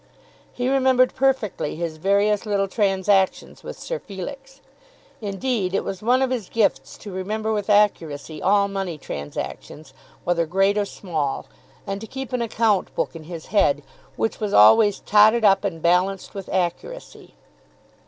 He remembered perfectly his various little transactions with Sir Felix. Indeed it was one of his gifts to remember with accuracy all money transactions, whether great or small, and to keep an account book in his head, which was always totted up and balanced with accuracy.